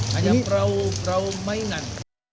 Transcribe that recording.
hanya perahu mainan